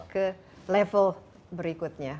ke level berikutnya